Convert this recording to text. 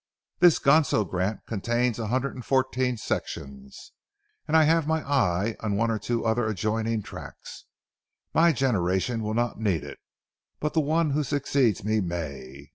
This Ganso grant contains a hundred and fourteen sections, and I have my eye on one or two other adjoining tracts. My generation will not need it, but the one who succeeds me may.